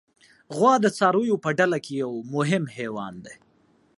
غوا د څارویو له ډله کې یو مهم حیوان دی.